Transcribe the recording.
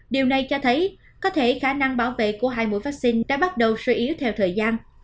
điều này cho thấy có thể khả năng bảo vệ của hai mũi vaccine đã bắt đầu suy yếu theo thời gian